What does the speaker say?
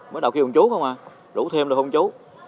mới đầu kêu một chút không à rủ thêm được không chú